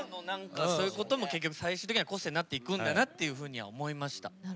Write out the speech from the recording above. そういうことも最終的には個性になっていくんだなって思いました。